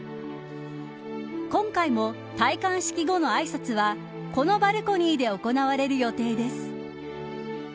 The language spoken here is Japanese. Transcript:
今回も戴冠式後のあいさつはこのバルコニーで行われる予定です。